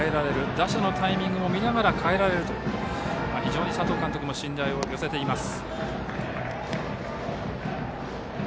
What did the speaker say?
打者のタイミングも見ながら変えられると非常に佐藤監督も信頼を寄せています。